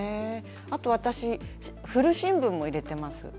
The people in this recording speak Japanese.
あと私、古新聞も入れています。